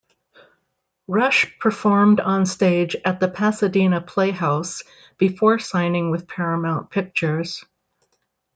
Rush performed on stage at the Pasadena Playhouse before signing with Paramount Pictures.